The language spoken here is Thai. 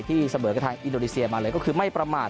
เสมอกับทางอินโดนีเซียมาเลยก็คือไม่ประมาท